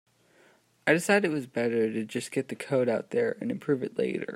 I decided it was better to just get the code out there and improve it later.